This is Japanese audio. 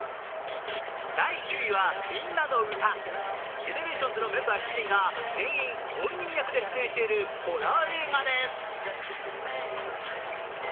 ＧＥＮＥＲＡＴＩＯＮＳのメンバー７人が全員本人役で出演しているホラー映画です。